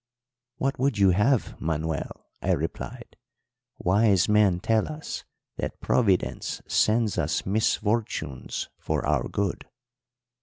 "'What would you have, Manuel?' I replied. 'Wise men tell us that Providence sends us misfortunes for our good.'